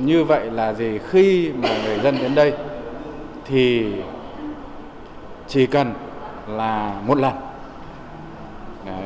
như vậy là gì khi mà người dân đến đây thì chỉ cần là một lần